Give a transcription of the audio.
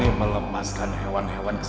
kita harus cepat keluar dari sini